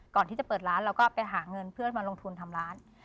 ก่อนที่จะเปิดร้านเราก็ไปหาเงินเพื่อนมาลงทุนทำร้าน